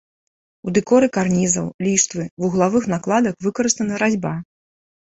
У дэкоры карнізаў, ліштвы, вуглавых накладак выкарыстана разьба.